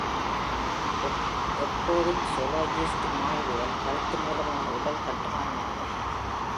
எப்போதும் சோலோயிஸ்ட் மாதிரிகள் கழுத்து மூலமான உடல் கட்டுமானமாகும்.